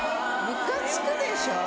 ・ムカつくでしょ。